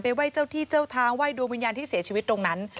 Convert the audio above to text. ไหว้เจ้าที่เจ้าทางไหว้ดวงวิญญาณที่เสียชีวิตตรงนั้น